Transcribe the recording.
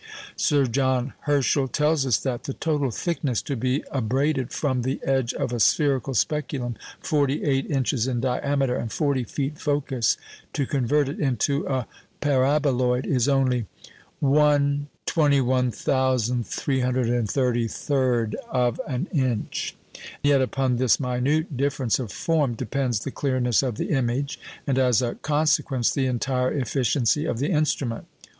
Sir John Herschel tells us that "the total thickness to be abraded from the edge of a spherical speculum 48 inches in diameter and 40 feet focus, to convert it into a paraboloid, is only 1/21333 of an inch;" yet upon this minute difference of form depends the clearness of the image, and, as a consequence, the entire efficiency of the instrument.